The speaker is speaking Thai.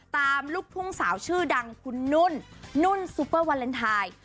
ลูกทุ่งสาวชื่อดังคุณนุ่นนุ่นซูเปอร์วาเลนไทย